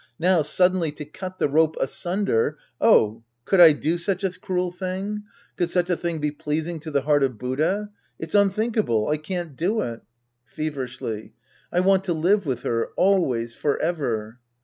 Now, suddenly to cut the rope asunder — oh ! Could I do such a cruel thing ? Could such a thing be pleasing to the heart of Buddha ? It's unthinkable. I can't do it. {Feverishly^ I want to live with her. Always, forever.